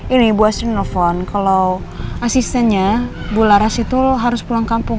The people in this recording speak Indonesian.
ini bu astri nelfon kalau asistennya bu laras itu harus pulang kampung ya